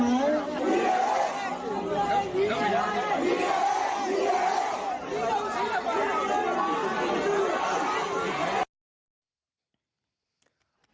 มึง